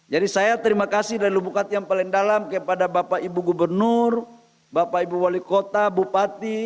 jadi saya terima kasih dari lubukati yang paling dalam kepada bapak ibu gubernur bapak ibu wali kota bupati